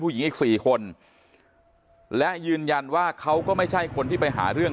อีก๔คนและยืนยันว่าเขาก็ไม่ใช่คนที่ไปหาเรื่อง